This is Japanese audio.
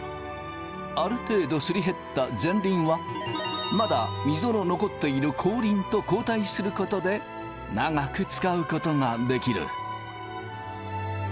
ある程度すり減った前輪はまだミゾの残っている後輪と交代することで長く使うことができる。